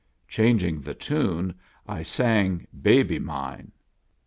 Changing the tune, I sang " Baby Mine."